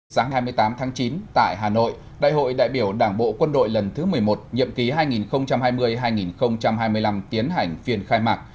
sáng hai mươi tám tháng chín tại hà nội đại hội đại biểu đảng bộ quân đội lần thứ một mươi một nhiệm ký hai nghìn hai mươi hai nghìn hai mươi năm tiến hành phiên khai mạc